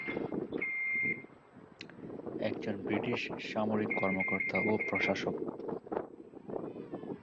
একজন ব্রিটিশ সামরিক কর্মকর্তা ও প্রশাসক।